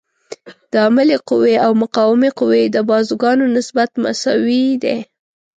د عاملې قوې او مقاومې قوې د بازوګانو نسبت مساوي دی.